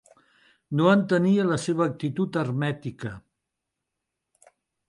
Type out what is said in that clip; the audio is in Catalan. No entenia la seva actitud hermètica.